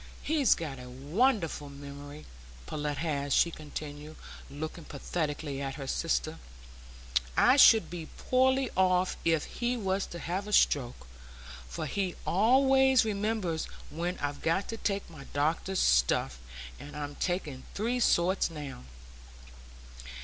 He's got a wonderful memory, Pullet has," she continued, looking pathetically at her sister. "I should be poorly off if he was to have a stroke, for he always remembers when I've got to take my doctor's stuff; and I'm taking three sorts now."